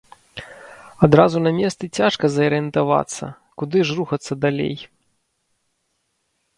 Адразу на месцы цяжка зарыентавацца, куды ж рухацца далей.